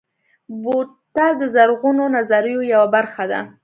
بوتل د زرغونو نظریو یوه برخه ده.